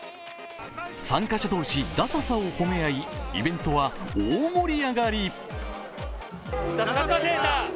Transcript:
参加者同士、ダサさを褒め合い、イベントは大盛り上がり。